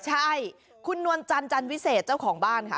ใช่คุณนวลจันจันวิเศษเจ้าของบ้านค่ะ